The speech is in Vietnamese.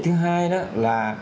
thứ hai nữa là